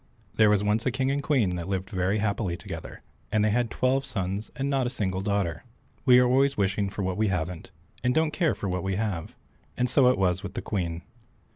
There was once a King and Queen that lived very happily together, and they had twelve sons and not a single daughter. We are always wishing for what we haven't, and don't care for what we have, and so it was with the Queen.